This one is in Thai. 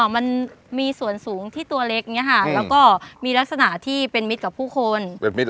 มันมีส่วนสูงที่ตัวเล็กแล้วก็มีลักษณะที่เป็นมิตรกับผู้คน